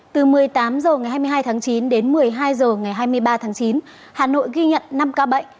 từ một mươi tám h ngày hai mươi hai tháng chín đến một mươi hai h ngày hai mươi ba tháng chín hà nội ghi nhận năm ca bệnh